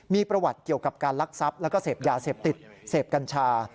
มีประวัติเกี่ยวกับการลักทรัพย์แล้วก็เสพยาเสพติดเสพกัญชา